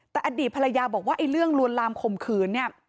แต่อดีตภรรยาบอกว่าไอ้เรื่องลวนลามข่มขืนเนี่ย